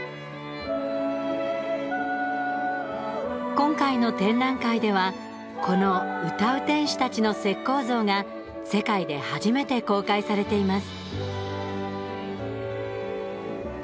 今回の展覧会ではこの歌う天使たちの石こう像が世界で初めて公開されています。